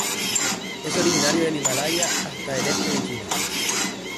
Es originario del Himalaya hasta el este de China.